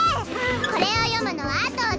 これを読むのはあとで。